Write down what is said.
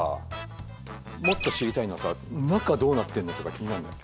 もっと知りたいのはさ中どうなってんのとか気になんない？